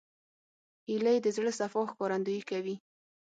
هیلۍ د زړه صفا ښکارندویي کوي